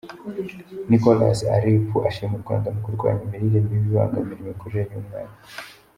Nicholas Alipui, ashima u Rwanda mu kurwanya imirire mibi ibangamira imikurire y’umwana.